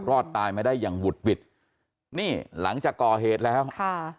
รอดตายมาได้อย่างหุดหวิดนี่หลังจากก่อเหตุแล้วค่ะ